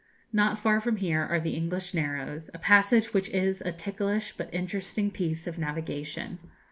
Not far from here are the English Narrows, a passage which is a ticklish but interesting piece of navigation.